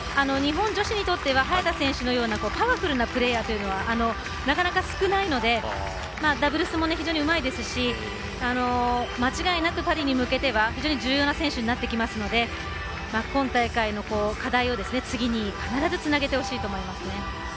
日本女子にとっては早田選手のようなパワフルなプレーヤーというのはなかなか少ないのでダブルスも非常にうまいですし間違いなくパリに向けては非常に重要な選手になってきますので今大会の課題を次に必ずつなげてほしいと思いますね。